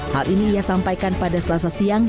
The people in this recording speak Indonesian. hal ini ia sampaikan pada selasa siang